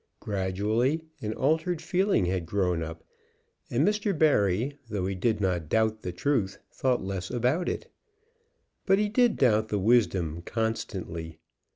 Gradually an altered feeling had grown up; and Mr. Barry, though he did not doubt the truth, thought less about it. But he did doubt the wisdom constantly.